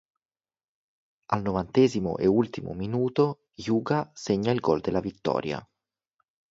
Al novantesimo e ultimo minuto Hyuga segna il gol della vittoria.